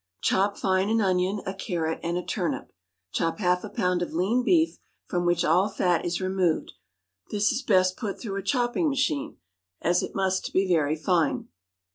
Chop fine an onion, a carrot, and a turnip. Chop half a pound of lean beef from which all fat is removed; this is best put through a chopping machine, as it must be very fine.